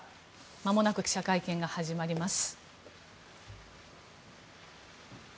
まもなく記者会見が始まります。